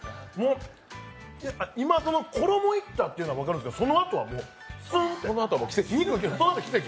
今、衣いったっていうのは分かるんですけど、そのあとはもうそのあとキセキ。